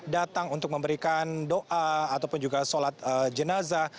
datang untuk memberikan doa ataupun juga sholat jenazah